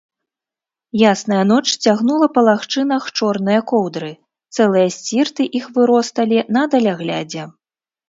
Ясная ноч цягнула па лагчынах чорныя коўдры, цэлыя сцірты іх выросталі на даляглядзе.